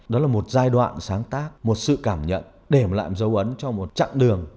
đó là một giai đoạn sáng tác một sự cảm nhận để lại dấu ấn cho một chặng đường